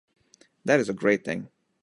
That is a great thing.